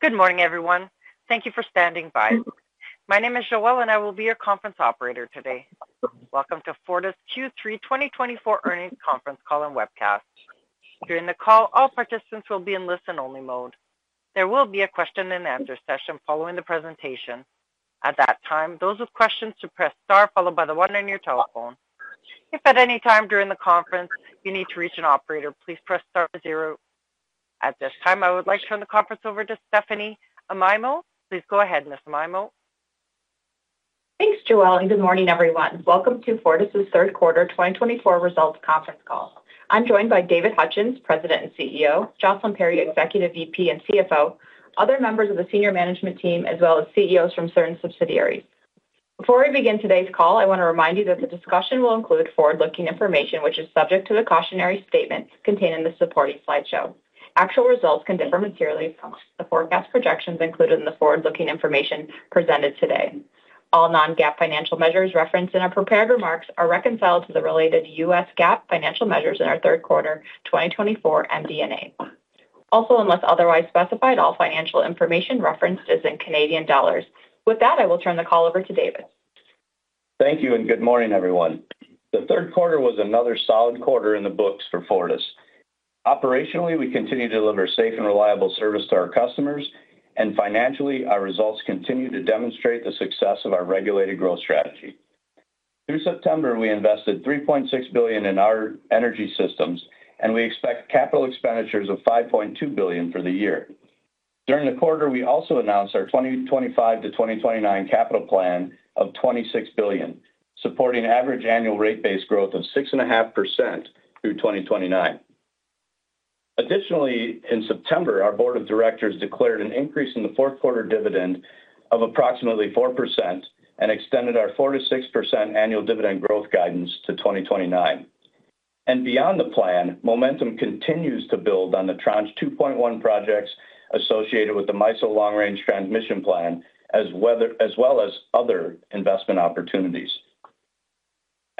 Good morning, everyone. Thank you for standing by. My name is Joelle, and I will be your conference operator today. Welcome to Fortis Q3 2024 earnings conference call and webcast. During the call, all participants will be in listen-only mode. There will be a question-and-answer session following the presentation. At that time, those with questions to press star followed by the one on your telephone. If at any time during the conference you need to reach an operator, please press star 0. At this time, I would like to turn the conference over to Stephanie Amaimo. Please go ahead, Ms. Amaimo. Thanks, Joelle, and good morning, everyone. Welcome to Fortis' third quarter 2024 results conference call. I'm joined by David Hutchens, President and CEO, Jocelyn Perry, Executive VP and CFO, other members of the senior management team, as well as CEOs from certain subsidiaries. Before we begin today's call, I want to remind you that the discussion will include forward-looking information, which is subject to the cautionary statement contained in the supporting slideshow. Actual results can differ materially from the forecast projections included in the forward-looking information presented today. All non-GAAP financial measures referenced in our prepared remarks are reconciled to the related U.S. GAAP financial measures in our third quarter 2024 MD&A. Also, unless otherwise specified, all financial information referenced is in Canadian dollars. With that, I will turn the call over to David. Thank you, and good morning, everyone. The third quarter was another solid quarter in the books for Fortis. Operationally, we continue to deliver safe and reliable service to our customers, and financially, our results continue to demonstrate the success of our regulated growth strategy. Through September, we invested $3.6 billion in our energy systems, and we expect capital expenditures of $5.2 billion for the year. During the quarter, we also announced our 2025-2029 capital plan of $26 billion, supporting average annual rate base growth of 6.5% through 2029. Additionally, in September, our Board of Directors declared an increase in the fourth quarter dividend of approximately 4% and extended our 4%-6% annual dividend growth guidance to 2029, and beyond the plan, momentum continues to build on the Tranche 2.1 projects associated with the MISO Long-Range Transmission Plan, as well as other investment opportunities.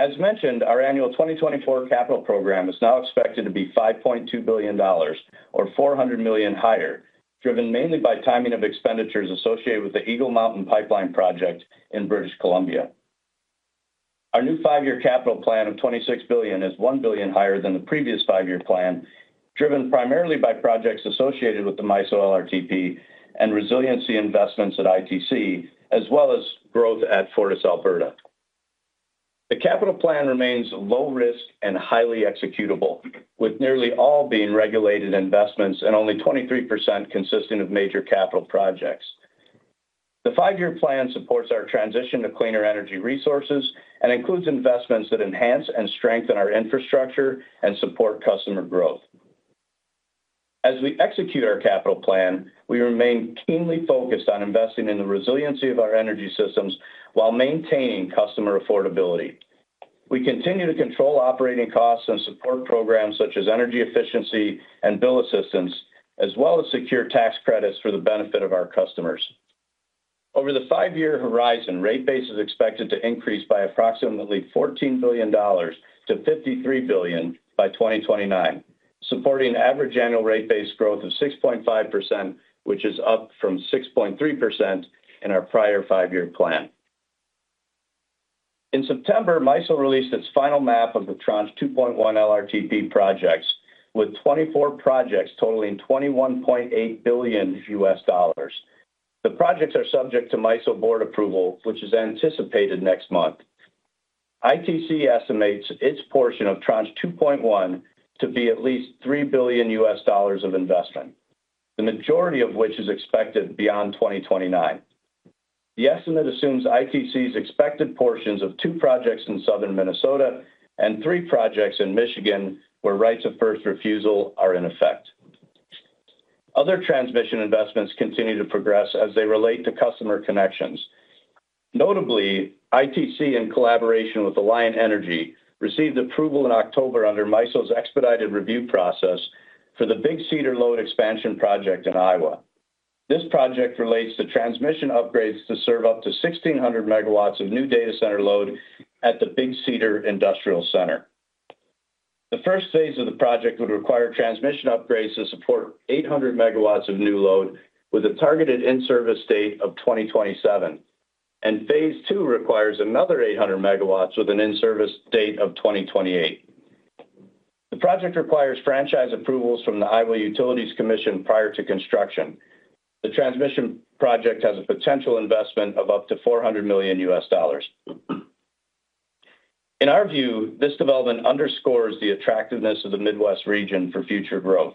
As mentioned, our annual 2024 capital program is now expected to be $5.2 billion, or $400 million higher, driven mainly by timing of expenditures associated with the Eagle Mountain Pipeline project in British Columbia. Our new five-year capital plan of $26 billion is $1 billion higher than the previous five-year plan, driven primarily by projects associated with the MISO LRTP and resiliency investments at ITC, as well as growth at FortisAlberta. The capital plan remains low-risk and highly executable, with nearly all being regulated investments and only 23% consisting of major capital projects. The five-year plan supports our transition to cleaner energy resources and includes investments that enhance and strengthen our infrastructure and support customer growth. As we execute our capital plan, we remain keenly focused on investing in the resiliency of our energy systems while maintaining customer affordability. We continue to control operating costs and support programs such as energy efficiency and bill assistance, as well as secure tax credits for the benefit of our customers. Over the five-year horizon, rate base is expected to increase by approximately $14 billion to $53 billion by 2029, supporting average annual rate base growth of 6.5%, which is up from 6.3% in our prior five-year plan. In September, MISO released its final map of the Tranche 2.1 LRTP projects, with 24 projects totaling $21.8 billion. The projects are subject to MISO board approval, which is anticipated next month. ITC estimates its portion of Tranche 2.1 to be at least $3 billion of investment, the majority of which is expected beyond 2029. The estimate assumes ITC's expected portions of two projects in Southern Minnesota and three projects in Michigan where rights of first refusal are in effect. Other transmission investments continue to progress as they relate to customer connections. Notably, ITC, in collaboration with Alliant Energy, received approval in October under MISO's expedited review process for the Big Cedar Load expansion project in Iowa. This project relates to transmission upgrades to serve up to 1,600 megawatts of new data center load at the Big Cedar Industrial Center. The first phase of the project would require transmission upgrades to support 800 megawatts of new load, with a targeted in-service date of 2027, and phase two requires another 800 megawatts with an in-service date of 2028. The project requires franchise approvals from the Iowa Utilities Commission prior to construction. The transmission project has a potential investment of up to $400 million. In our view, this development underscores the attractiveness of the Midwest region for future growth.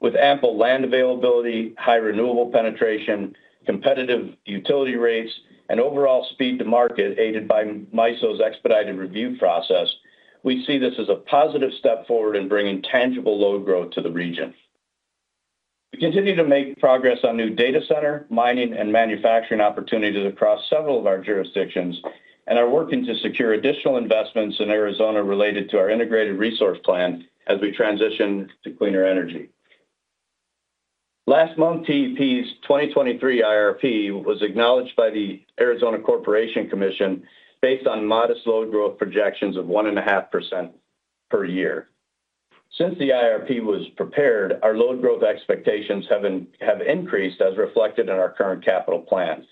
With ample land availability, high renewable penetration, competitive utility rates, and overall speed to market aided by MISO's expedited review process, we see this as a positive step forward in bringing tangible load growth to the region. We continue to make progress on new data center, mining, and manufacturing opportunities across several of our jurisdictions, and are working to secure additional investments in Arizona related to our integrated resource plan as we transition to cleaner energy. Last month, TEP's 2023 IRP was acknowledged by the Arizona Corporation Commission based on modest load growth projections of 1.5% per year. Since the IRP was prepared, our load growth expectations have increased, as reflected in our current capital plan.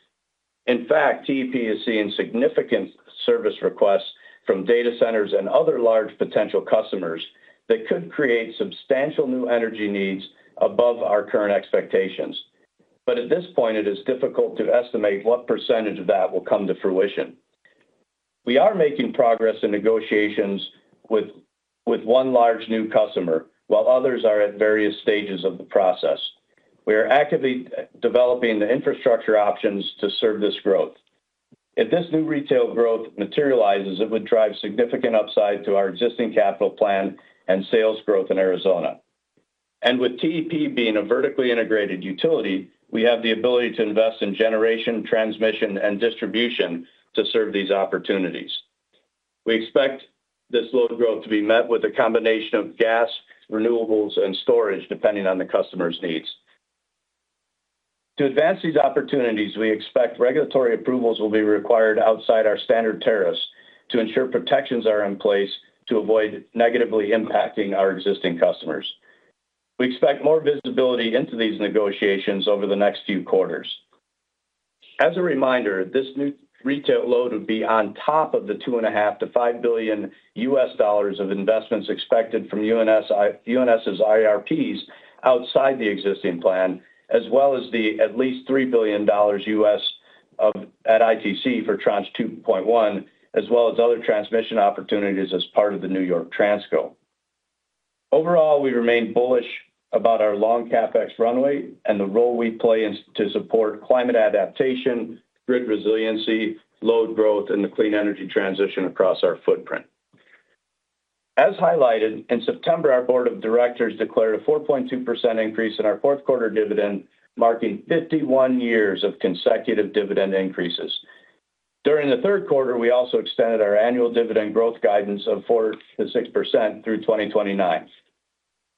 In fact, TEP is seeing significant service requests from data centers and other large potential customers that could create substantial new energy needs above our current expectations. But at this point, it is difficult to estimate what percentage of that will come to fruition. We are making progress in negotiations with one large new customer, while others are at various stages of the process. We are actively developing the infrastructure options to serve this growth. If this new retail growth materializes, it would drive significant upside to our existing capital plan and sales growth in Arizona. And with TEP being a vertically integrated utility, we have the ability to invest in generation, transmission, and distribution to serve these opportunities. We expect this load growth to be met with a combination of gas, renewables, and storage, depending on the customer's needs. To advance these opportunities, we expect regulatory approvals will be required outside our standard tariffs to ensure protections are in place to avoid negatively impacting our existing customers. We expect more visibility into these negotiations over the next few quarters. As a reminder, this new retail load would be on top of the $2.5-$5 billion of investments expected from UNS's IRPs outside the existing plan, as well as the at least $3 billion at ITC for Tranche 2.1, as well as other transmission opportunities as part of the New York Transco. Overall, we remain bullish about our long CapEx runway and the role we play to support climate adaptation, grid resiliency, load growth, and the clean energy transition across our footprint. As highlighted, in September, our Board of Directors declared a 4.2% increase in our fourth quarter dividend, marking 51 years of consecutive dividend increases. During the third quarter, we also extended our annual dividend growth guidance of 4%-6% through 2029.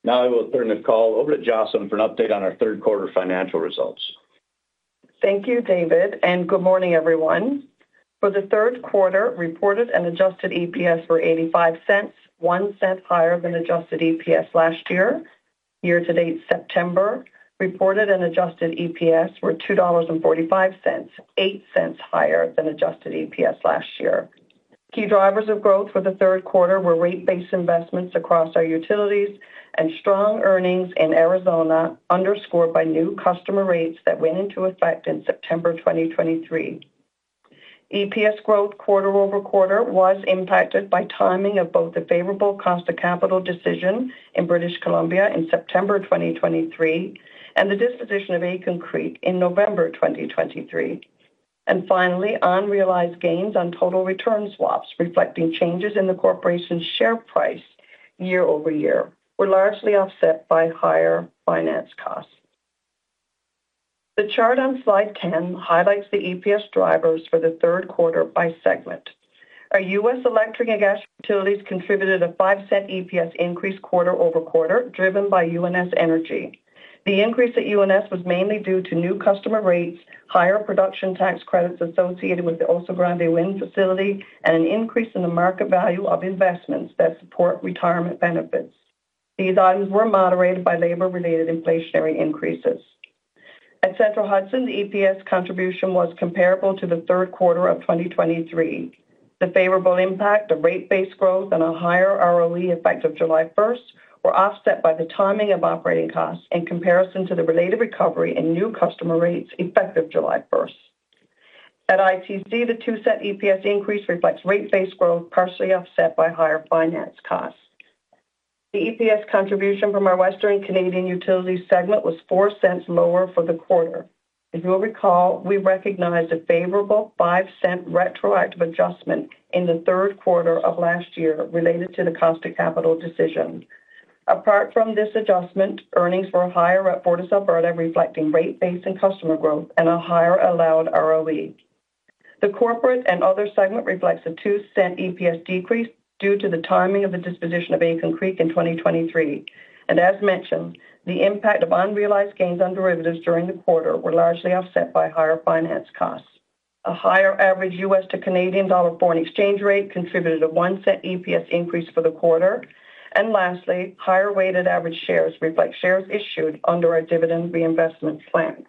Now I will turn the call over to Jocelyn for an update on our third quarter financial results. Thank you, David, and good morning, everyone. For the third quarter, reported and adjusted EPS were 0.85, one cent higher than adjusted EPS last year. Year-to-date September, reported and adjusted EPS were 2.45 dollars, eight cents higher than adjusted EPS last year. Key drivers of growth for the third quarter were rate base investments across our utilities and strong earnings in Arizona, underscored by new customer rates that went into effect in September 2023. EPS growth quarter over quarter was impacted by timing of both the favorable cost of capital decision in British Columbia in September 2023 and the disposition of Aitken Creek in November 2023. And finally, unrealized gains on total return swaps reflecting changes in the corporation's share price year over year were largely offset by higher finance costs. The chart on slide 10 highlights the EPS drivers for the third quarter by segment. Our U.S. Electric and gas utilities contributed a $0.05 EPS increase quarter over quarter, driven by UNS Energy. The increase at UNS was mainly due to new customer rates, higher production tax credits associated with the Oso Grande wind facility, and an increase in the market value of investments that support retirement benefits. These items were moderated by labor-related inflationary increases. At Central Hudson, the EPS contribution was comparable to the third quarter of 2023. The favorable impact, the rate base growth, and a higher ROE effect of July 1st were offset by the timing of operating costs in comparison to the related recovery in new customer rates effective July 1st. At ITC, the $0.02 EPS increase reflects rate base growth, partially offset by higher finance costs. The EPS contribution from our Western Canadian Utilities segment was $0.04 lower for the quarter. As you'll recall, we recognized a favorable 0.05 retroactive adjustment in the third quarter of last year related to the cost of capital decision. Apart from this adjustment, earnings were higher at FortisAlberta, reflecting rate base and customer growth and a higher allowed ROE. The Corporate and Other segment reflects a 0.02 EPS decrease due to the timing of the disposition of Aitken Creek in 2023. And as mentioned, the impact of unrealized gains on derivatives during the quarter was largely offset by higher finance costs. A higher average U.S. to Canadian dollar foreign exchange rate contributed a 0.01 EPS increase for the quarter. And lastly, higher weighted average shares reflect shares issued under our dividend reinvestment plan.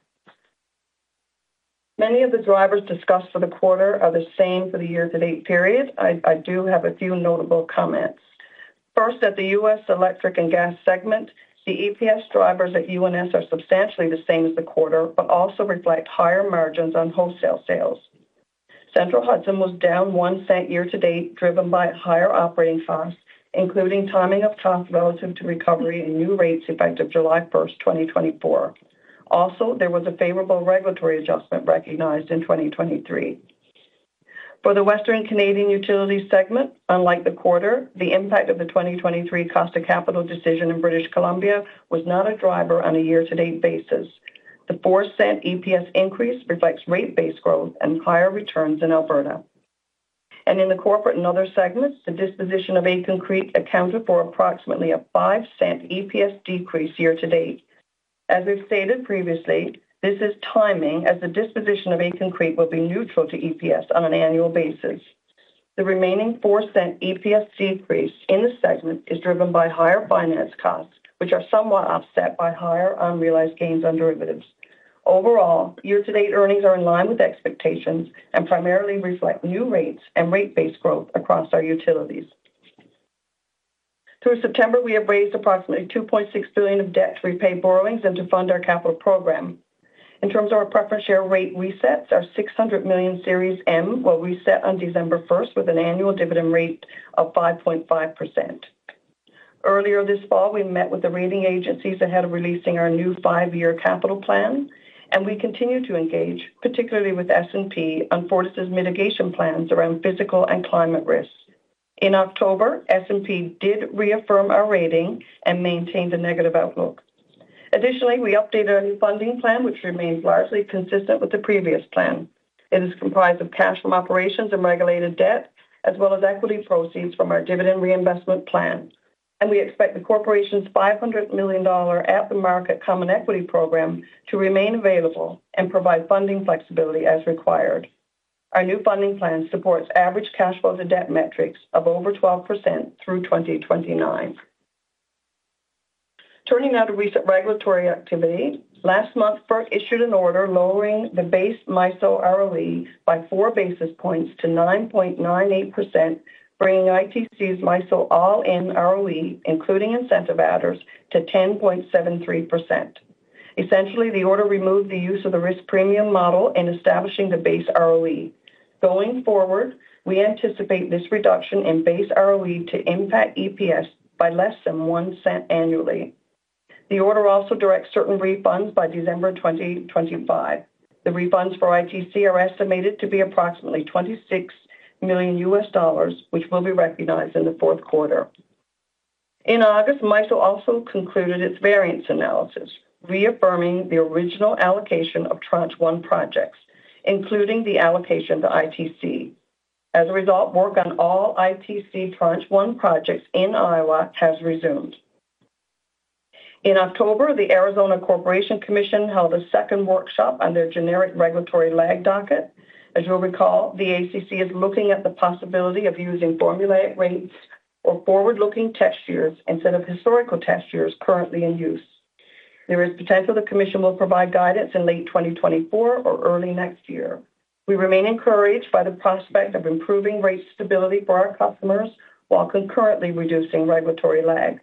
Many of the drivers discussed for the quarter are the same for the year-to-date period. I do have a few notable comments. First, at the U.S. electric and gas segment, the EPS drivers at UNS are substantially the same as the quarter, but also reflect higher margins on wholesale sales. Central Hudson was down $0.01 year-to-date, driven by higher operating costs, including timing of cost relative to recovery and new rates effective July 1st, 2024. Also, there was a favorable regulatory adjustment recognized in 2023. For the Western Canadian Utilities segment, unlike the quarter, the impact of the 2023 cost of capital decision in British Columbia was not a driver on a year-to-date basis. The $0.04 EPS increase reflects rate based growth and higher returns in Alberta. In the Corporate and Other segment, the disposition of Aitken Creek accounted for approximately a $0.05 EPS decrease year-to-date. As we've stated previously, this is timing as the disposition of Aitken Creek will be neutral to EPS on an annual basis. The remaining four-cent EPS decrease in the segment is driven by higher finance costs, which are somewhat offset by higher unrealized gains on derivatives. Overall, year-to-date earnings are in line with expectations and primarily reflect new rates and rate based growth across our utilities. Through September, we have raised approximately $2.6 billion of debt to repay borrowings and to fund our capital program. In terms of our preference share rate resets, our 600 million Series M will reset on December 1st with an annual dividend rate of 5.5%. Earlier this fall, we met with the rating agencies ahead of releasing our new five-year capital plan, and we continue to engage, particularly with S&P, on Fortis's mitigation plans around physical and climate risks. In October, S&P did reaffirm our rating and maintained a negative outlook. Additionally, we updated our new funding plan, which remains largely consistent with the previous plan. It is comprised of cash from operations and regulated debt, as well as equity proceeds from our dividend reinvestment plan. And we expect the corporation's $500 million at-the-market common equity program to remain available and provide funding flexibility as required. Our new funding plan supports average cash flows and debt metrics of over 12% through 2029. Turning now to recent regulatory activity, last month, FERC issued an order lowering the base MISO ROE by four basis points to 9.98%, bringing ITC's MISO all-in ROE, including incentive adders, to 10.73%. Essentially, the order removed the use of the risk premium model in establishing the base ROE. Going forward, we anticipate this reduction in base ROE to impact EPS by less than one cent annually. The order also directs certain refunds by December 2025. The refunds for ITC are estimated to be approximately $26 million, which will be recognized in the fourth quarter. In August, MISO also concluded its variance analysis, reaffirming the original allocation of Tranche 1 projects, including the allocation to ITC. As a result, work on all ITC Tranche 1 projects in Iowa has resumed. In October, the Arizona Corporation Commission held a second workshop on their generic regulatory lag docket. As you'll recall, the ACC is looking at the possibility of using formulaic rates or forward-looking tax years instead of historical tax years currently in use. There is potential the Commission will provide guidance in late 2024 or early next year. We remain encouraged by the prospect of improving rate stability for our customers while concurrently reducing regulatory lag.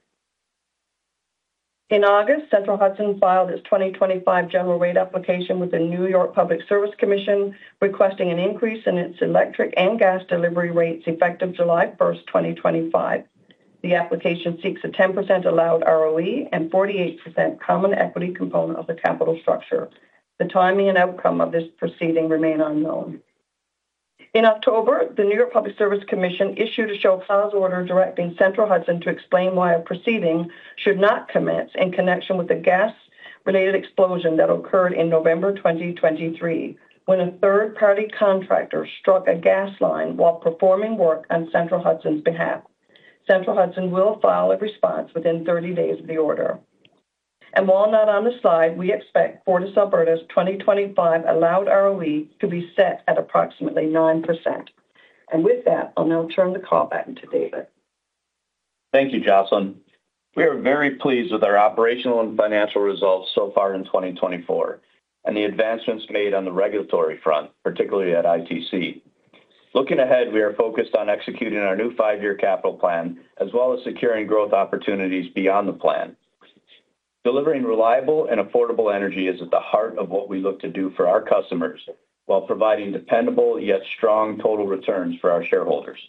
In August, Central Hudson filed its 2025 general rate application with the New York Public Service Commission, requesting an increase in its electric and gas delivery rates effective July 1st, 2025. The application seeks a 10% allowed ROE and 48% common equity component of the capital structure. The timing and outcome of this proceeding remain unknown. In October, the New York Public Service Commission issued a show cause order directing Central Hudson to explain why a proceeding should not commence in connection with a gas-related explosion that occurred in November 2023, when a third-party contractor struck a gas line while performing work on Central Hudson's behalf. Central Hudson will file a response within 30 days of the order, and while not on the slide, we expect FortisAlberta's 2025 allowed ROE to be set at approximately 9%. And with that, I'll now turn the call back to David. Thank you, Jocelyn. We are very pleased with our operational and financial results so far in 2024 and the advancements made on the regulatory front, particularly at ITC. Looking ahead, we are focused on executing our new five-year capital plan, as well as securing growth opportunities beyond the plan. Delivering reliable and affordable energy is at the heart of what we look to do for our customers while providing dependable yet strong total returns for our shareholders.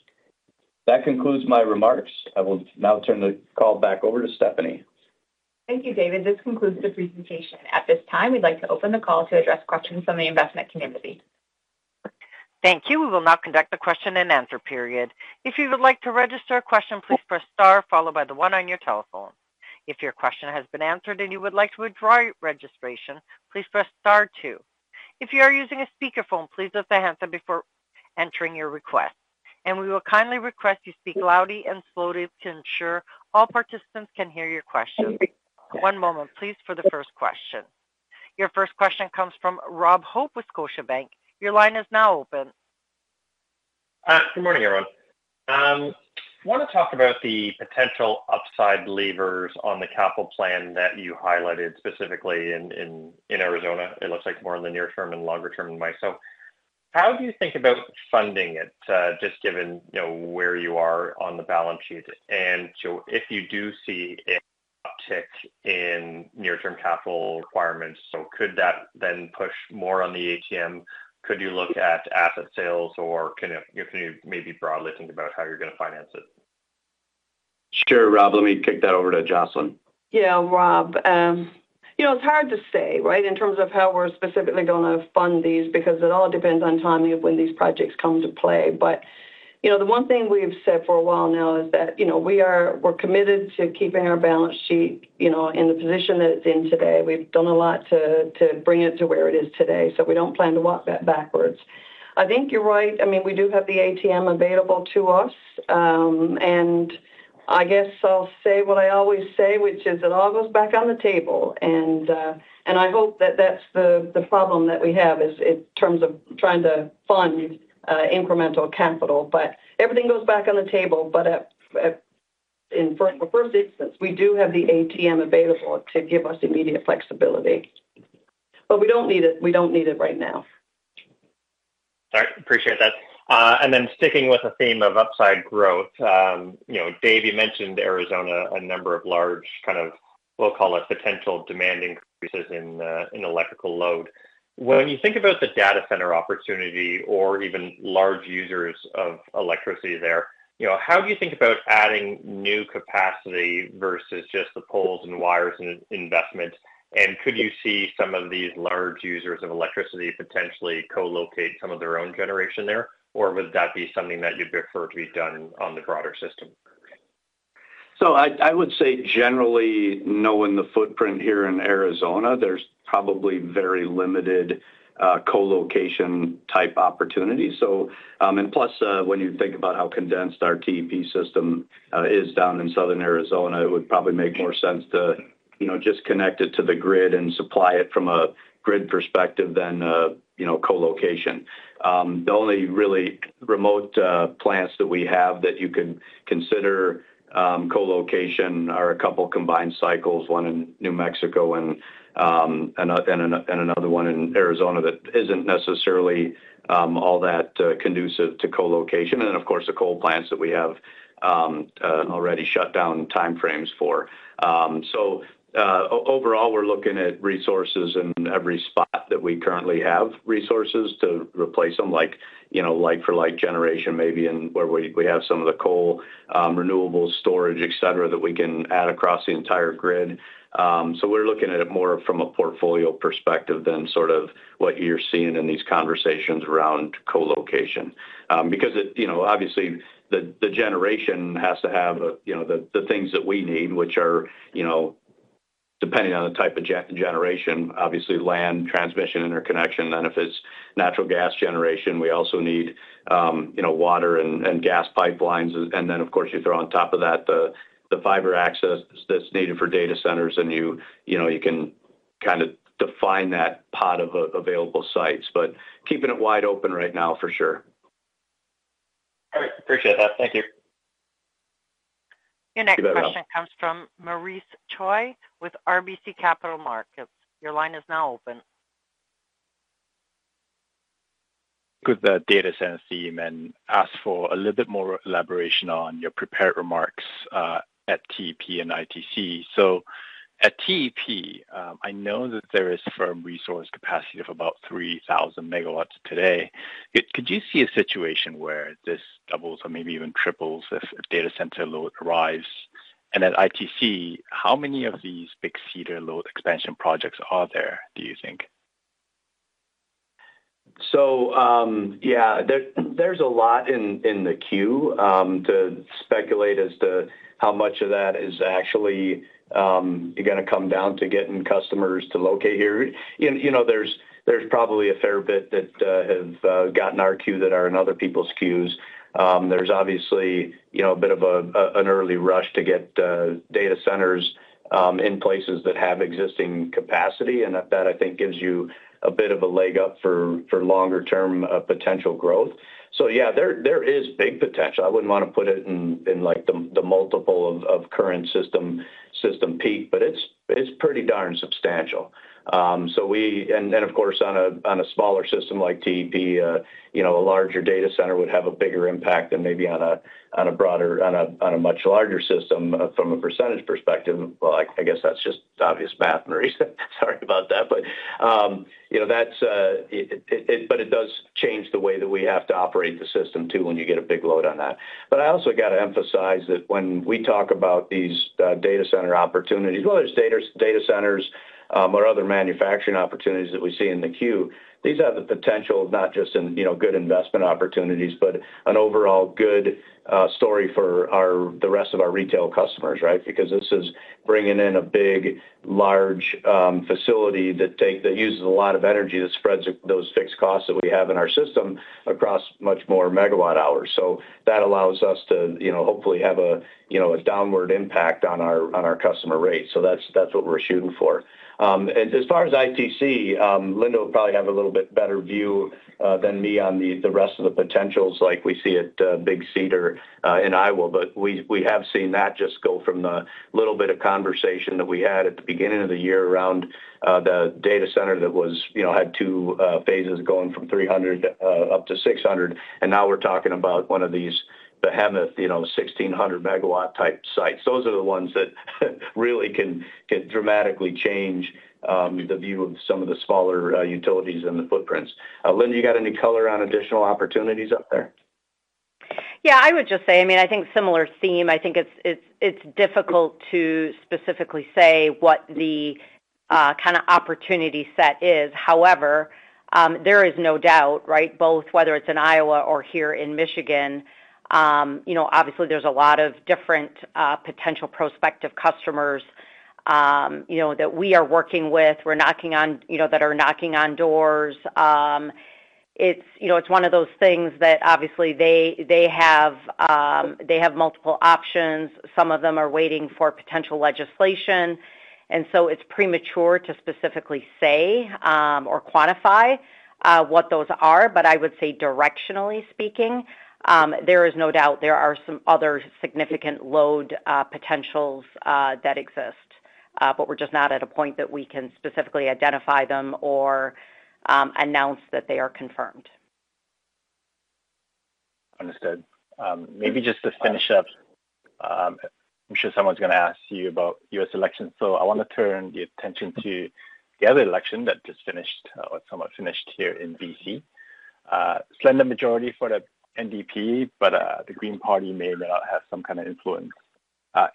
That concludes my remarks. I will now turn the call back over to Stephanie. Thank you, David. This concludes the presentation. At this time, we'd like to open the call to address questions from the investment community. Thank you. We will now conduct the question and answer period. If you would like to register a question, please press star followed by the one on your telephone. If your question has been answered and you would like to withdraw your registration, please press star two. If you are using a speakerphone, please lift the handset up before entering your request. And we will kindly request you speak loudly and slowly to ensure all participants can hear your question. One moment, please, for the first question. Your first question comes from Rob Hope with Scotia Bank. Your line is now open. Good morning, everyone. I want to talk about the potential upside levers on the capital plan that you highlighted specifically in Arizona. It looks like more in the near term and longer term in MISO. How do you think about funding it, just given where you are on the balance sheet? And if you do see an uptick in near-term capital requirements, could that then push more on the ATM? Could you look at asset sales, or can you maybe broadly think about how you're going to finance it? Sure, Rob. Let me kick that over to Jocelyn. Yeah, Rob. You know, it's hard to say, right, in terms of how we're specifically going to fund these because it all depends on timing of when these projects come to play. But you know, the one thing we've said for a while now is that we're committed to keeping our balance sheet in the position that it's in today. We've done a lot to bring it to where it is today, so we don't plan to walk back backwards. I think you're right. I mean, we do have the ATM available to us. And I guess I'll say what I always say, which is it all goes back on the table. And I hope that that's the problem that we have in terms of trying to fund incremental capital. But everything goes back on the table. But in first instance, we do have the ATM available to give us immediate flexibility. But we don't need it. We don't need it right now. All right. Appreciate that. And then sticking with the theme of upside growth, you know, Dave, you mentioned Arizona, a number of large kind of, we'll call it potential demand increases in electrical load. When you think about the data center opportunity or even large users of electricity there, you know, how do you think about adding new capacity versus just the poles and wires investment? And could you see some of these large users of electricity potentially co-locate some of their own generation there? Or would that be something that you'd prefer to be done on the broader system? So I would say generally knowing the footprint here in Arizona, there's probably very limited co-location type opportunities. And plus, when you think about how condensed our TEP system is down in southern Arizona, it would probably make more sense to just connect it to the grid and supply it from a grid perspective than co-location. The only really remote plants that we have that you could consider co-location are a couple combined cycles, one in New Mexico and another one in Arizona that isn't necessarily all that conducive to co-location. And then, of course, the coal plants that we have already shut down timeframes for. So overall, we're looking at resources in every spot that we currently have resources to replace them, like for like-for-like generation maybe where we have some of the coal, renewables, storage, et cetera, that we can add across the entire grid. So we're looking at it more from a portfolio perspective than sort of what you're seeing in these conversations around co-location. Because obviously, the generation has to have the things that we need, which are depending on the type of generation, obviously land transmission interconnection. Then if it's natural gas generation, we also need water and gas pipelines. And then, of course, you throw on top of that the fiber access that's needed for data centers, and you can kind of define that pot of available sites. But keeping it wide open right now for sure. All right. Appreciate that. Thank you. Your next question comes from Maurice Choy with RBC Capital Markets. Your line is now open. With the data center theme and ask for a little bit more elaboration on your prepared remarks at TEP and ITC. So at TEP, I know that there is firm resource capacity of about 3,000 megawatts today. Could you see a situation where this doubles or maybe even triples if data center load arrives? And at ITC, how many of these Big Cedar Load Expansion projects are there, do you think? So yeah, there's a lot in the queue. To speculate as to how much of that is actually going to come down to getting customers to locate here, you know, there's probably a fair bit that have gotten into our queue that are in other people's queues. There's obviously a bit of an early rush to get data centers in places that have existing capacity. And that, I think, gives you a bit of a leg up for longer-term potential growth. So yeah, there is big potential. I wouldn't want to put it in the multiple of current system peak, but it's pretty darn substantial. And of course, on a smaller system like TEP, a larger data center would have a bigger impact than maybe on a much larger system from a percentage perspective. I guess that's just obvious math, Maurice. Sorry about that. But it does change the way that we have to operate the system too when you get a big load on that. But I also got to emphasize that when we talk about these data center opportunities, whether it's data centers or other manufacturing opportunities that we see in the queue, these have the potential not just in good investment opportunities, but an overall good story for the rest of our retail customers, right? Because this is bringing in a big, large facility that uses a lot of energy that spreads those fixed costs that we have in our system across much more megawatt hours. So that's what we're shooting for. As far as ITC, Linda will probably have a little bit better view than me on the rest of the potentials like we see at Big Cedar in Iowa. But we have seen that just go from the little bit of conversation that we had at the beginning of the year around the data center that had two phases going from 300 up to 600. And now we're talking about one of these behemoth 1,600 megawatt type sites. Those are the ones that really can dramatically change the view of some of the smaller utilities and the footprints. Linda, you got any color on additional opportunities up there? Yeah, I would just say, I mean, I think similar theme. I think it's difficult to specifically say what the kind of opportunity set is. However, there is no doubt, right, both whether it's in Iowa or here in Michigan, obviously there's a lot of different potential prospective customers that we are working with, that are knocking on doors. It's one of those things that obviously they have multiple options. Some of them are waiting for potential legislation. And so it's premature to specifically say or quantify what those are. But I would say, directionally speaking, there is no doubt there are some other significant load potentials that exist. But we're just not at a point that we can specifically identify them or announce that they are confirmed. Understood. Maybe just to finish up, I'm sure someone's going to ask you about U.S. elections. So I want to turn the attention to the other election that just finished or somewhat finished here in BC. Slender majority for the NDP, but the Green Party may or may not have some kind of influence.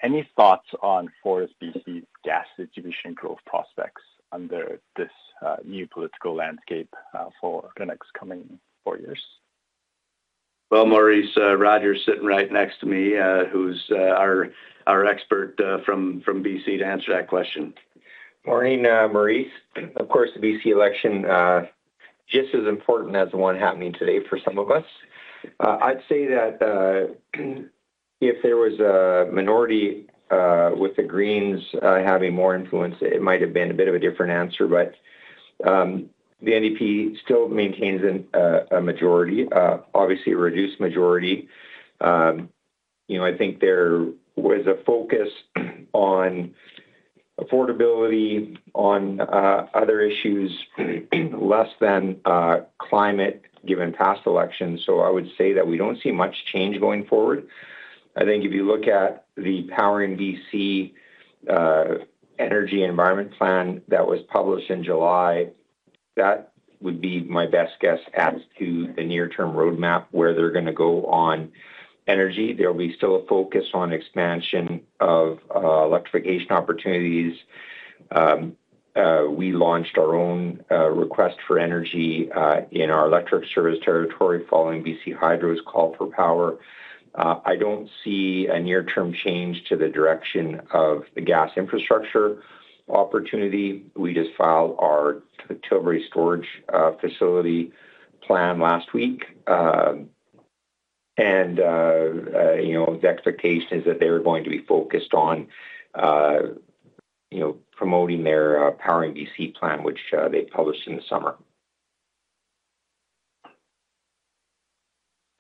Any thoughts on FortisBC's gas distribution growth prospects under this new political landscape for the next coming four years? Maurice, Roger is sitting right next to me, who's our expert from BC to answer that question. Morning, Maurice. Of course, the BC election, just as important as the one happening today for some of us. I'd say that if there was a minority with the Greens having more influence, it might have been a bit of a different answer. But the NDP still maintains a majority, obviously a reduced majority. I think there was a focus on affordability, on other issues, less than climate given past elections. So I would say that we don't see much change going forward. I think if you look at the Powering BC Energy Environment Plan that was published in July, that would be my best guess as to the near-term roadmap where they're going to go on energy. There will be still a focus on expansion of electrification opportunities. We launched our own request for energy in our electric service territory following BC Hydro's call for power. I don't see a near-term change to the direction of the gas infrastructure opportunity. We just filed our Aitken Creek storage facility plan last week, and the expectation is that they are going to be focused on promoting their Powering BC plan, which they published in the summer.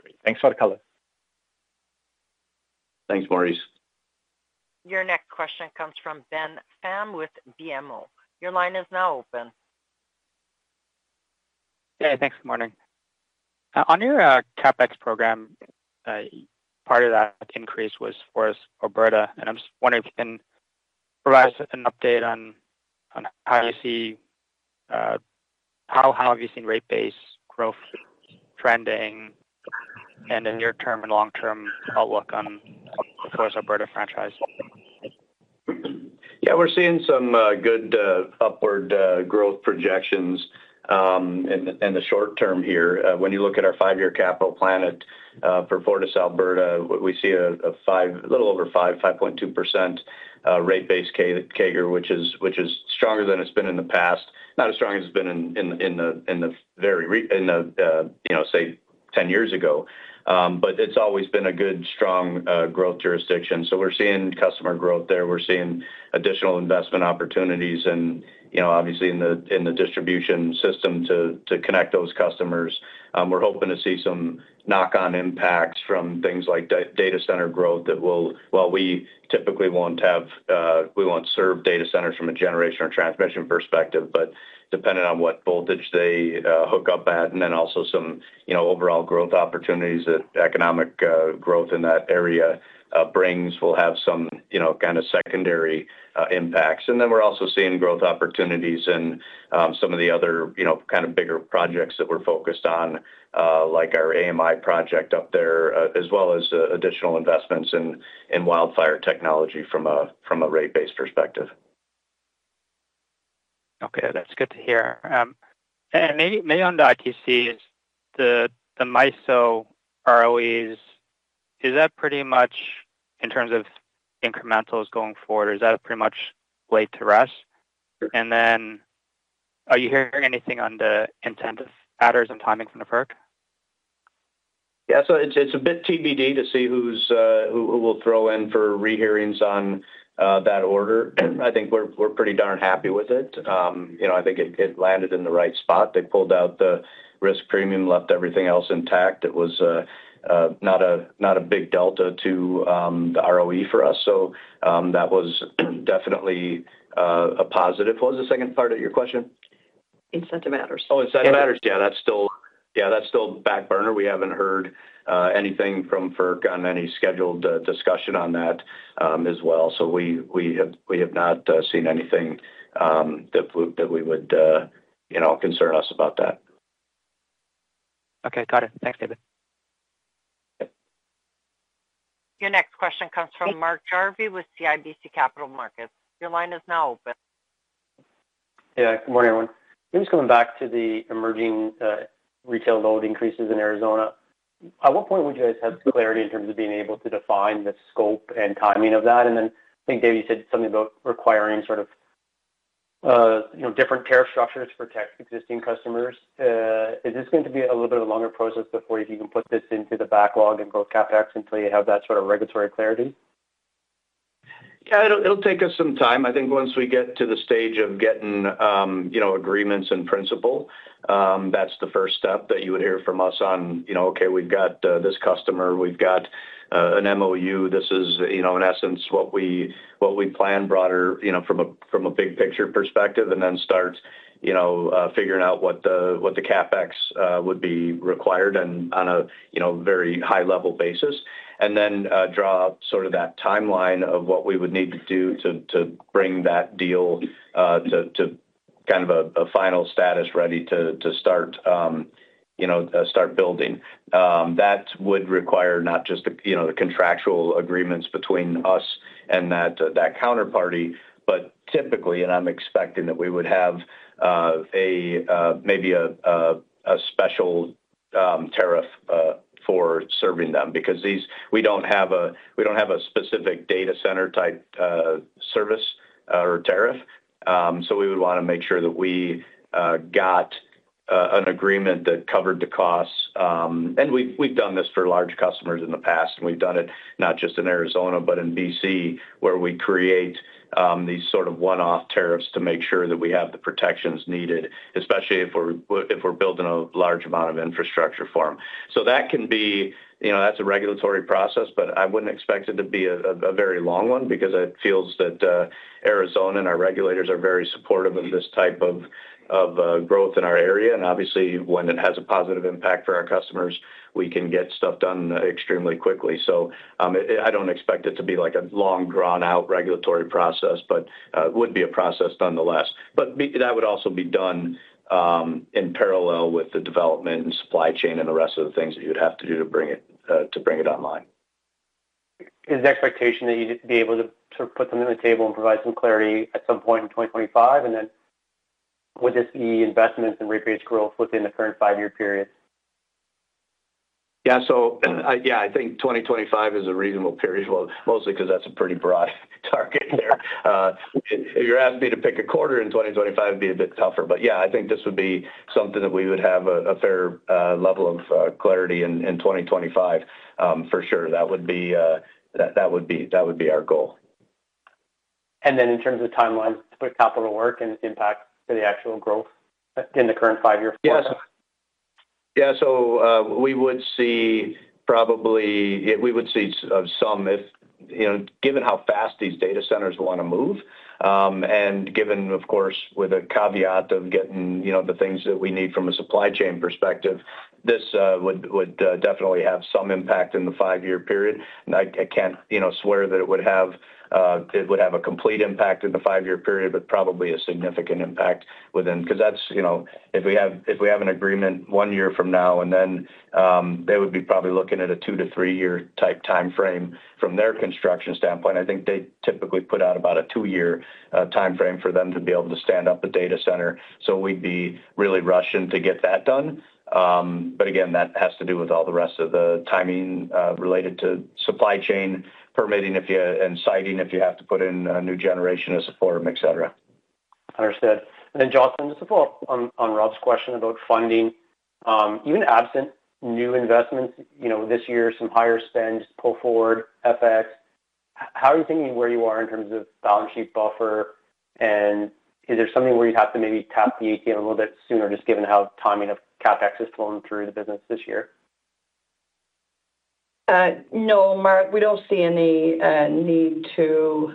Great. Thanks, Roger Dall'Antonia. Thanks, Maurice. Your next question comes from Ben Pham with BMO. Your line is now open. Hey, thanks. Good morning. On your CapEx program, part of that increase was FortisAlberta. And I'm just wondering if you can provide us an update on how you see how have you seen rate based growth trending and the near-term and long-term outlook on the FortisAlberta franchise? Yeah, we're seeing some good upward growth projections in the short term here. When you look at our five-year capital plan for FortisAlberta, we see a little over 5-5.2% rate based CAGR, which is stronger than it's been in the past, not as strong as it's been in the very, say, 10 years ago, but it's always been a good, strong growth jurisdiction, so we're seeing customer growth there. We're seeing additional investment opportunities and obviously in the distribution system to connect those customers. We're hoping to see some knock-on impacts from things like data center growth that will, well, we typically won't serve data centers from a generation or transmission perspective, but depending on what voltage they hook up at and then also some overall growth opportunities that economic growth in that area brings will have some kind of secondary impacts. We're also seeing growth opportunities in some of the other kind of bigger projects that we're focused on, like our AMI project up there, as well as additional investments in wildfire technology from a rate based perspective. Okay. That's good to hear. And maybe on the ITCs, the MISO ROEs, is that pretty much in terms of incrementals going forward? Is that pretty much laid to rest? And then are you hearing anything on the incentive matters and timing from the FERC? Yeah. So it's a bit TBD to see who will throw in for rehearings on that order. I think we're pretty darn happy with it. I think it landed in the right spot. They pulled out the risk premium, left everything else intact. It was not a big delta to the ROE for us. So that was definitely a positive. What was the second part of your question? Incentive matters. Oh, incentive matters. Yeah, that's still back burner. We haven't heard anything from FERC on any scheduled discussion on that as well. So we have not seen anything that would concern us about that. Okay. Got it. Thanks, David. Your next question comes from Mark Jarvi with CIBC Capital Markets. Your line is now open. Yeah. Good morning, everyone. Just coming back to the emerging retail load increases in Arizona. At what point would you guys have clarity in terms of being able to define the scope and timing of that? And then I think, David, you said something about requiring sort of different tariff structures to protect existing customers. Is this going to be a little bit of a longer process before you can even put this into the backlog and book CapEx until you have that sort of regulatory clarity? Yeah, it'll take us some time. I think once we get to the stage of getting agreements in principle, that's the first step that you would hear from us on, "Okay, we've got this customer. We've got an MOU. This is, in essence, what we plan broader from a big picture perspective," and then start figuring out what the CapEx would be required on a very high-level basis, and then draw up sort of that timeline of what we would need to do to bring that deal to kind of a final status ready to start building. That would require not just the contractual agreements between us and that counterparty, but typically, and I'm expecting that we would have maybe a special tariff for serving them because we don't have a specific data center type service or tariff. So we would want to make sure that we got an agreement that covered the costs, and we've done this for large customers in the past, and we've done it not just in Arizona, but in BC, where we create these sort of one-off tariffs to make sure that we have the protections needed, especially if we're building a large amount of infrastructure for them, so that can be. That's a regulatory process, but I wouldn't expect it to be a very long one because it feels that Arizona and our regulators are very supportive of this type of growth in our area, and obviously, when it has a positive impact for our customers, we can get stuff done extremely quickly, so I don't expect it to be like a long, drawn-out regulatory process, but it would be a process nonetheless. But that would also be done in parallel with the development and supply chain and the rest of the things that you would have to do to bring it online. Is the expectation that you'd be able to sort of put something on the table and provide some clarity at some point in 2025? And then would this be investments and rate based growth within the current five-year period? Yeah. So yeah, I think 2025 is a reasonable period, mostly because that's a pretty broad target there. If you're asking me to pick a quarter in 2025, it'd be a bit tougher. But yeah, I think this would be something that we would have a fair level of clarity in 2025, for sure. That would be our goal. Then in terms of timelines for capital work and impact to the actual growth in the current five-year plan? Yeah. So we would see probably some if given how fast these data centers want to move and given, of course, with a caveat of getting the things that we need from a supply chain perspective, this would definitely have some impact in the five-year period. I can't swear that it would have a complete impact in the five-year period, but probably a significant impact within because if we have an agreement one year from now, and then they would be probably looking at a two to three-year type timeframe from their construction standpoint. I think they typically put out about a two-year timeframe for them to be able to stand up a data center. So we'd be really rushing to get that done. But again, that has to do with all the rest of the timing related to supply chain permitting and siting if you have to put in a new generation or support, etc. Understood. And then Jocelyn, just to follow up on Rob's question about funding, even absent new investments this year, some higher spend, pull forward, FX, how are you thinking where you are in terms of balance sheet buffer? And is there something where you'd have to maybe tap the ATM a little bit sooner, just given how timing of CapEx has flown through the business this year? No, Mark. We don't see any need to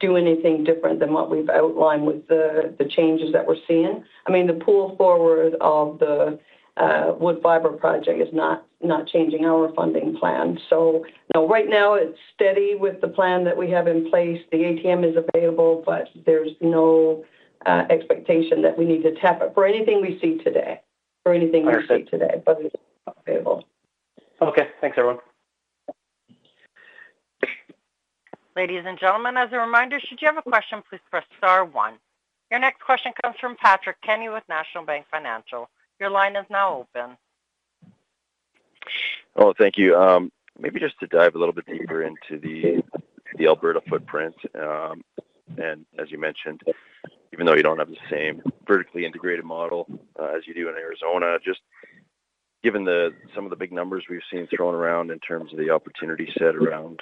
do anything different than what we've outlined with the changes that we're seeing. I mean, the pull forward of the Woodfibre project is not changing our funding plan. So right now, it's steady with the plan that we have in place. The ATM is available, but there's no expectation that we need to tap it for anything we see today. But it's available. Okay. Thanks, everyone. Ladies and gentlemen, as a reminder, should you have a question, please press star one. Your next question comes from Patrick Kenny with National Bank Financial. Your line is now open. Oh, thank you. Maybe just to dive a little bit deeper into the Alberta footprint. And as you mentioned, even though you don't have the same vertically integrated model as you do in Arizona, just given some of the big numbers we've seen thrown around in terms of the opportunity set around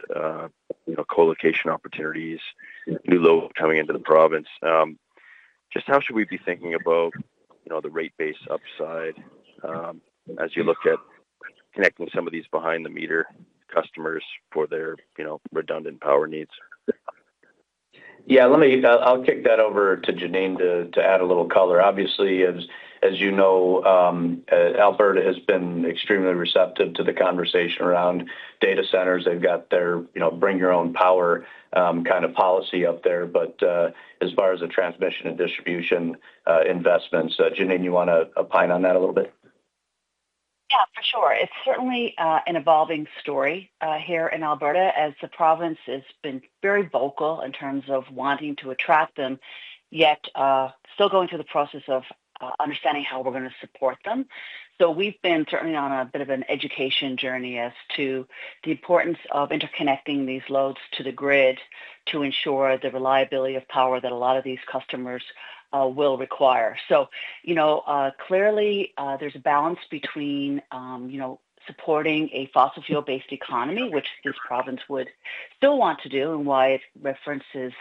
co-location opportunities, new load coming into the province, just how should we be thinking about the rate based upside as you look at connecting some of these behind-the-meter customers for their redundant power needs? Yeah. I'll kick that over to Janine to add a little color. Obviously, as you know, Alberta has been extremely receptive to the conversation around data centers. They've got their bring-your-own-power kind of policy up there. But as far as the transmission and distribution investments, Janine, you want to opine on that a little bit? Yeah, for sure. It's certainly an evolving story here in Alberta as the province has been very vocal in terms of wanting to attract them, yet still going through the process of understanding how we're going to support them. So we've been certainly on a bit of an education journey as to the importance of interconnecting these loads to the grid to ensure the reliability of power that a lot of these customers will require. So clearly, there's a balance between supporting a fossil fuel-based economy, which this province would still want to do, and why it references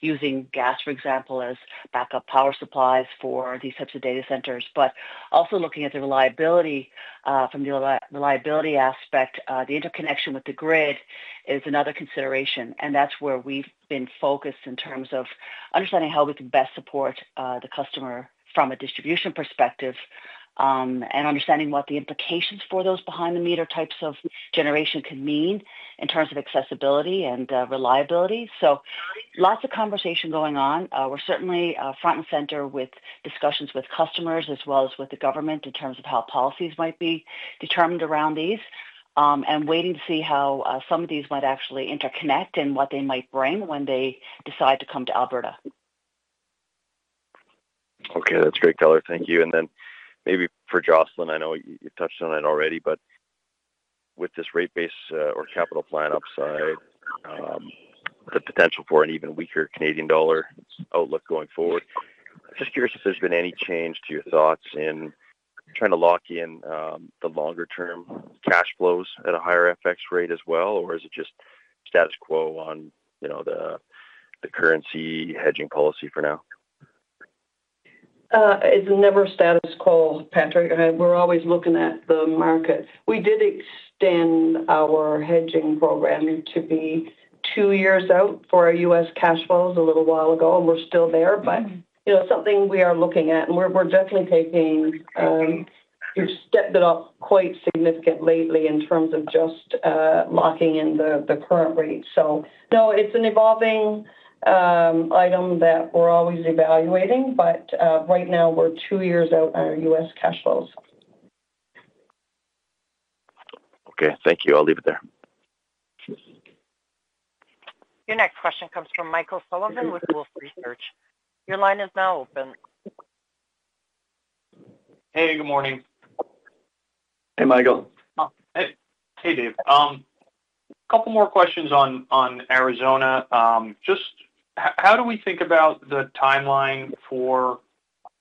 using gas, for example, as backup power supplies for these types of data centers. But also looking at the reliability from the reliability aspect, the interconnection with the grid is another consideration. That's where we've been focused in terms of understanding how we can best support the customer from a distribution perspective and understanding what the implications for those behind-the-meter types of generation can mean in terms of accessibility and reliability. So lots of conversation going on. We're certainly front and center with discussions with customers as well as with the government in terms of how policies might be determined around these and waiting to see how some of these might actually interconnect and what they might bring when they decide to come to Alberta. Okay. That's great, Keller. Thank you. And then maybe for Jocelyn, I know you've touched on it already, but with this rate based or capital plan upside, the potential for an even weaker Canadian dollar outlook going forward, I'm just curious if there's been any change to your thoughts in trying to lock in the longer-term cash flows at a higher FX rate as well, or is it just status quo on the currency hedging policy for now? It's never status quo, Patrick. We're always looking at the market. We did extend our hedging program to be two years out for our U.S. cash flows a little while ago, and we're still there. But it's something we are looking at, and we're definitely. We've stepped it up quite significantly lately in terms of just locking in the current rate. So no, it's an evolving item that we're always evaluating. But right now, we're two years out on our U.S. cash flows. Okay. Thank you. I'll leave it there. Your next question comes from Michael Sullivan with Wolf Research. Your line is now open. Hey, good morning. Hey, Michael. Hey, Dave. A couple more questions on Arizona. Just how do we think about the timeline for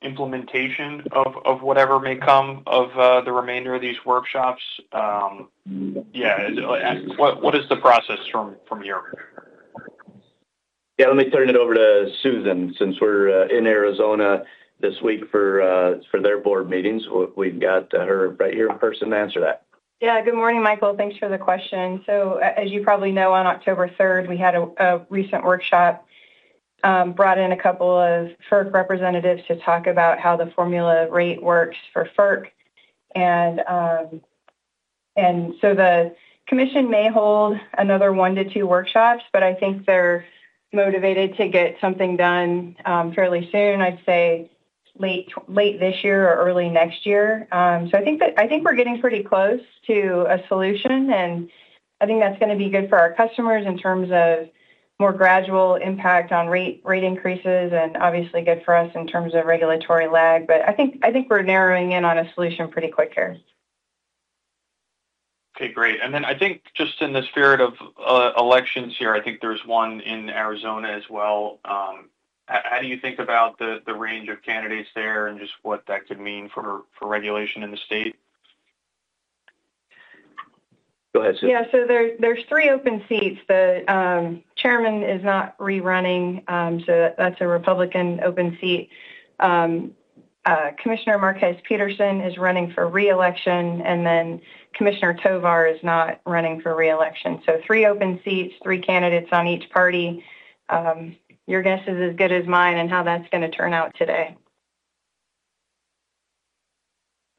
implementation of whatever may come of the remainder of these workshops? Yeah. What is the process from here? Yeah. Let me turn it over to Susan since we're in Arizona this week for their board meetings. We've got her right here in person to answer that. Yeah. Good morning, Michael. Thanks for the question. So as you probably know, on October 3rd, we had a recent workshop, brought in a couple of FERC representatives to talk about how the formula rate works for FERC. And so the commission may hold another one to two workshops, but I think they're motivated to get something done fairly soon, I'd say late this year or early next year. So I think we're getting pretty close to a solution. And I think that's going to be good for our customers in terms of more gradual impact on rate increases and obviously good for us in terms of regulatory lag. But I think we're narrowing in on a solution pretty quick here. Okay. Great. And then I think just in the spirit of elections here, I think there's one in Arizona as well. How do you think about the range of candidates there and just what that could mean for regulation in the state? Go ahead, Susan. Yeah. So there's three open seats. The chairman is not re-running, so that's a Republican open seat. Commissioner Marquez Peterson is running for re-election, and then Commissioner Tovar is not running for re-election. So three open seats, three candidates on each party. Your guess is as good as mine on how that's going to turn out today.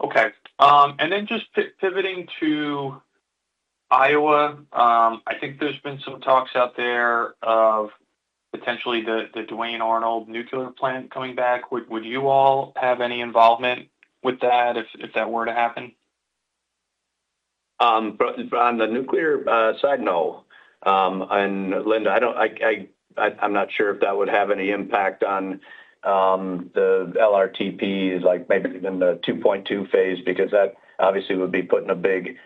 Okay. And then just pivoting to Iowa, I think there's been some talks out there of potentially the Duane Arnold nuclear plant coming back. Would you all have any involvement with that if that were to happen? On the nuclear side, no. And Linda, I'm not sure if that would have any impact on the LRTPs, maybe even the 2.2 phase, because that obviously would be putting a big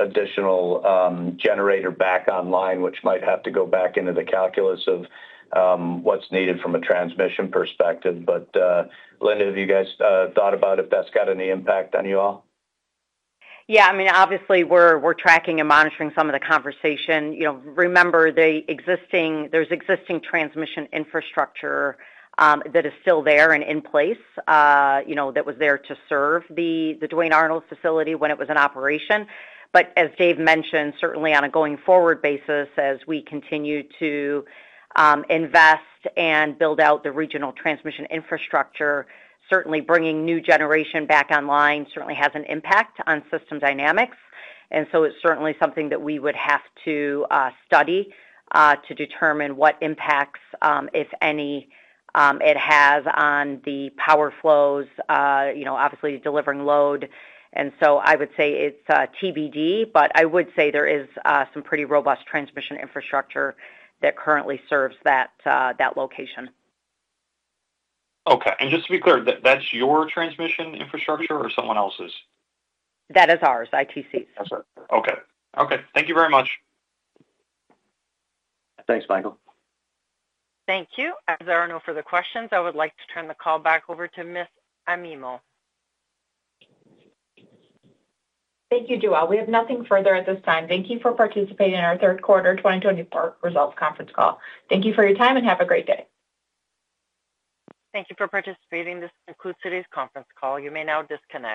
additional generator back online, which might have to go back into the calculus of what's needed from a transmission perspective. But Linda, have you guys thought about if that's got any impact on you all? Yeah. I mean, obviously, we're tracking and monitoring some of the conversation. Remember, there's existing transmission infrastructure that is still there and in place that was there to serve the Duane Arnold facility when it was in operation. But as Dave mentioned, certainly on a going-forward basis, as we continue to invest and build out the regional transmission infrastructure, certainly bringing new generation back online certainly has an impact on system dynamics. And so it's certainly something that we would have to study to determine what impacts, if any, it has on the power flows, obviously delivering load. And so I would say it's TBD, but I would say there is some pretty robust transmission infrastructure that currently serves that location. Okay, and just to be clear, that's your transmission infrastructure or someone else's? That is ours, ITC. Okay. Okay. Thank you very much. Thanks, Michael. Thank you. As there are no further questions, I would like to turn the call back over to Ms. Amaimo. Thank you, Joelle. We have nothing further at this time. Thank you for participating in our third quarter 2024 results conference call. Thank you for your time and have a great day. Thank you for participating. This concludes today's conference call. You may now disconnect.